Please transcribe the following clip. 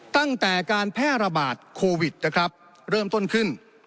ตั้งแต่การแพร่ระบาดโควิดนะครับเริ่มต้นขึ้น